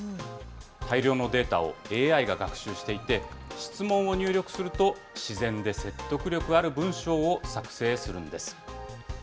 大量のデータをＡＩが学習していて、質問を入力すると、自然で説得力ある文章を作成するんです。